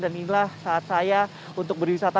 dan inilah saat saya untuk berwisata